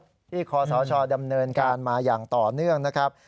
ที่คอสชดำเนินการมาอย่างต่อเนื่องนะครับ